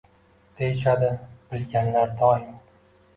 Deyishadi bilganlar doim.